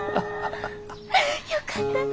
よかったな。